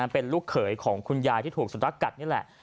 เป็นลูกเขยของคุณยายที่ถูกสุนัขกัดนี่แหละ